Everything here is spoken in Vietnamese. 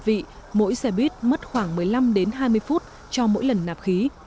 sau đó vận chuyển về bến xe của đơn vị mỗi xe buýt mất khoảng một mươi năm đến hai mươi phút cho mỗi lần nạp khí